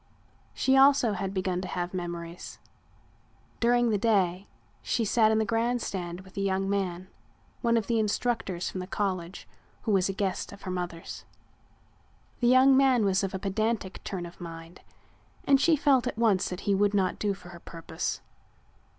She also had begun to have memories. During the day she sat in the grand stand with a young man, one of the instructors from the college, who was a guest of her mother's. The young man was of a pedantic turn of mind and she felt at once he would not do for her purpose.